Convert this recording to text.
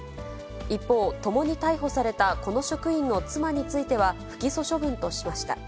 一方、ともに逮捕されたこの職員の妻については、不起訴処分としました。